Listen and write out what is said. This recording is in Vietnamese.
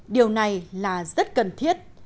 điều này là rất cần thiết